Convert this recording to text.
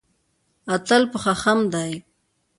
اتل په خښم دی.